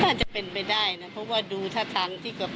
อาจจะเป็นไปได้นะเพราะดูทะทั้งที่กับเขา